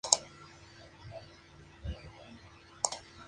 La diócesis es sufragánea de la arquidiócesis de Anchorage.